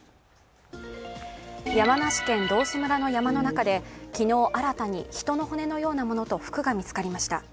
山梨県道志村の中の中で昨日新たに人の骨のようなものと服が見つかりました。